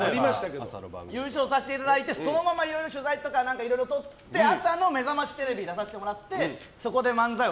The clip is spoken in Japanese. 優勝させていただいてそのまま取材とかいろいろ撮って朝の「めざましテレビ」に出させてもらってそこで漫才を。